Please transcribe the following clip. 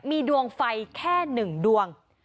มีดวงไฟแค่หนึ่งดวง